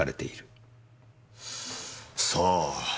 さあ。